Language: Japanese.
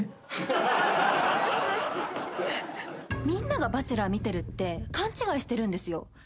みんなが『バチェラー』見てるって勘違いしてるんですよ。